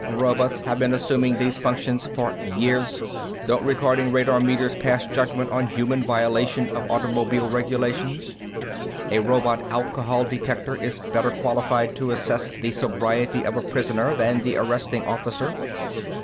"Robots have been assuming these functions for years. Don't recording radar meters pass judgment on human violation of automobile regulations? A robot alcohol detector is better qualified to assess the sobriety of a prisoner than the arresting officer.